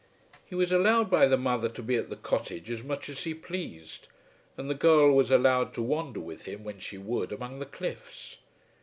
He was allowed by the mother to be at the cottage as much as he pleased, and the girl was allowed to wander with him when she would among the cliffs.